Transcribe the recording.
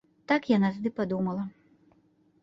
Так яна тады падумала.